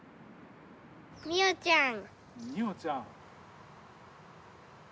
みよちゃん。